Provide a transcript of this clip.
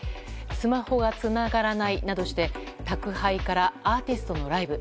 スマホがつながらないなどとして宅配からアーティストのライブ